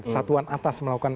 satuan atas melakukan